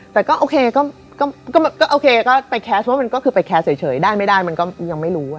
แต่ก็โอเคไปแคสเพราะมันแคสเฉยได้ไม่ได้ไม่รู้